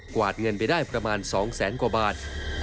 วาดเงินไปได้ประมาณ๒แสนกว่าบาท